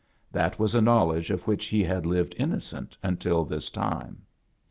That was a knowledge of which he had lived innocent until this time.